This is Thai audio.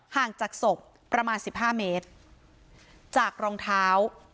ห่างจากศพประมาณสิบห้าเมตรจากรองเท้า